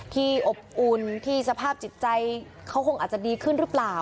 อบอุ่นที่สภาพจิตใจเขาคงอาจจะดีขึ้นหรือเปล่า